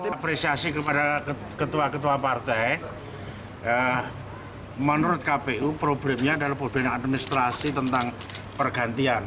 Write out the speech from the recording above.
apresiasi kepada ketua ketua partai menurut kpu problemnya adalah problem administrasi tentang pergantian